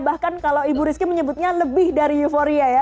bahkan kalau ibu rizky menyebutnya lebih dari euforia ya